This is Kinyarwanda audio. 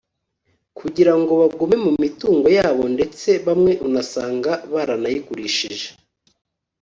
kugira ngo bagume mu mitungo yabo ndetse bamwe unasanga baranayigurishije